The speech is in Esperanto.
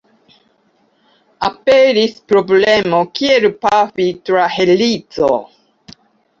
Aperis problemo, kiel pafi tra helico.